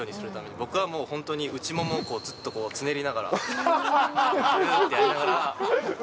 僕はもう、本当に内ももをずっとつねりながら、ぐーっとやりながら。